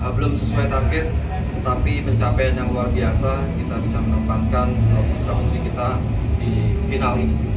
belum sesuai target tetapi pencapaian yang luar biasa kita bisa menempatkan putra putri kita di final ini